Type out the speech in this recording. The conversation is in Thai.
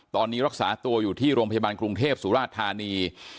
ตอนนี้รักษาตัวอยู่ที่โรงพยาบาลกรุงเทพสุราชธานี